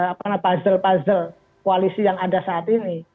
apa namanya puzzle puzzle koalisi yang ada saat ini